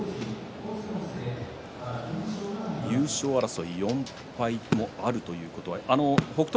優勝争い、４敗もあるということは北勝